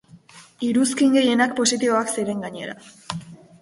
Iruzkin gehienak positiboak ziren gainera.